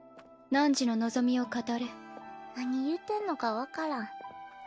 なんじの望みを語れ何言うてんのか分からん